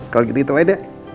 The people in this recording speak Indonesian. kalau gitu kita main deh